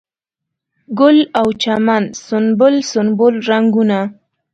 ګل او چمن سنبل، سنبل رنګونه